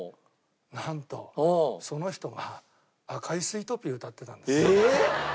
なんとその人が『赤いスイートピー』を歌ってたんです。